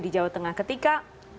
di jawa tengah ketika